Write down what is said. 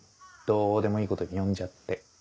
どうでもいいことに呼んじゃって。